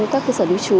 các cơ sở lưu trú